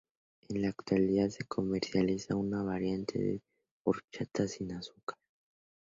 En la actualidad se comercializa una variante de horchata sin azúcar.